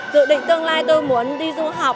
dự định tương lai tôi muốn đi du học